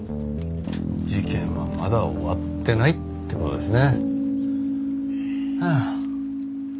事件はまだ終わってないって事ですね。